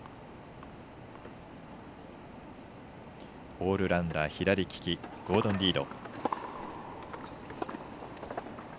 オールラウンダー左利きゴードン・リード。